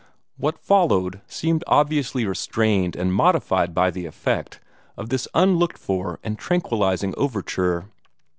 What followed seemed obviously restrained and modified by the effect of this unlooked for and tranquillizing overture.